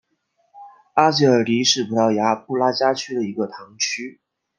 阿吉尔迪是葡萄牙布拉加区的一个堂区。